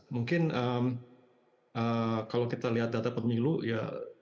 mungkin kalau kita lihat data pemilu ya